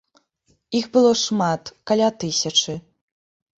Іх было шмат, каля тысячы.